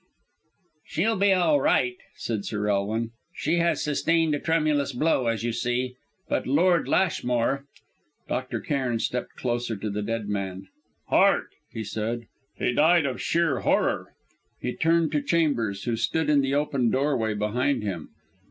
"She'll be all right," said Sir Elwin; "she has sustained a tremendous blow, as you see. But Lord Lashmore " Dr. Cairn stepped closer to the dead man. "Heart," he said. "He died of sheer horror." He turned to Chambers, who stood in the open doorway behind him.